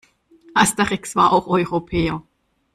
Asterix war auch Europäer.